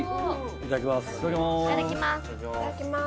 いただきまーす